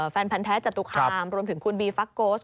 แฟนพันธ์แท้จตุคามรวมถึงคุณบีฟักโกส